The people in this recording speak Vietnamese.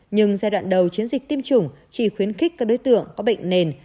nhưng giai đoạn đầu chiến dịch tiêm chủng chỉ khuyến khích các đối tượng có bệnh nền